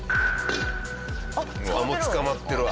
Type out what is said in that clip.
もう捕まってるわ。